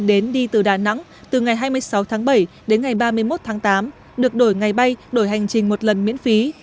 đến đi từ đà nẵng từ ngày hai mươi sáu tháng bảy đến ngày ba mươi một tháng tám được đổi ngày bay đổi hành trình một lần miễn phí